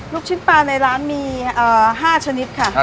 ลูกชิ้นปลาในร้านมี๕ชนิดค่ะ